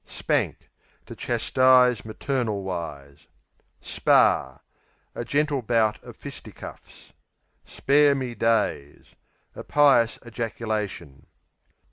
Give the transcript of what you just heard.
Spank To chastise maternal wise. Spar A gentle bout of fisticuffs. Spare me days A pious ejaculation.